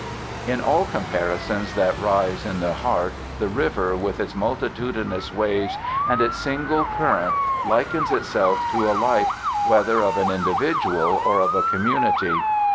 In all comparisons that rise in the heart, the river, with its multitudinous waves and its single current, likens itself to a life, whether of an individual or of a community.